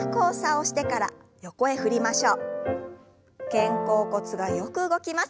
肩甲骨がよく動きます。